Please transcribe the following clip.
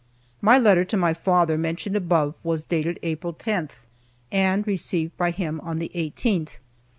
My letter to my father, mentioned above, was dated April 10, and was received by him on the 18th.